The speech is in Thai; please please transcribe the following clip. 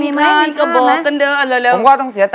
ลำกาลกะโบะกันเดอะ